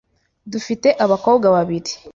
Dufite abakobwa babiri .